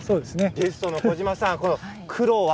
ゲストの小島さん苦労